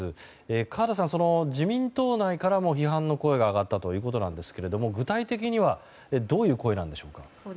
河田さん、自民党内からも批判の声が上がったということですが具体的にはどういう声なんでしょうか。